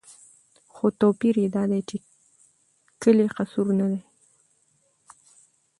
خو توپير يې دا دى، چې کلي تصور نه دى